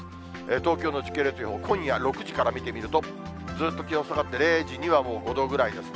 東京の時系列予報、今夜６時から見てみると、ずっと気温下がって、０時にはもう５度ぐらいですね。